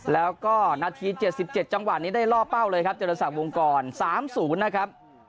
แล้วก็นาที๗๗จังหวะนี้ได้ล่อเป้าเลยครับเจรสักวงกร๓๐นะครับ